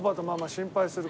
心配する。